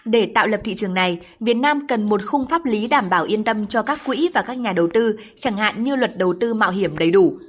để tạo lập thị trường này việt nam cần một khung pháp lý đảm bảo yên tâm cho các quỹ và các nhà đầu tư chẳng hạn như luật đầu tư mạo hiểm đầy đủ